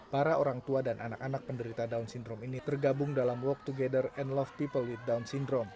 para orang tua dan anak anak penderita down syndrome ini tergabung dalam world together and love people wit down syndrome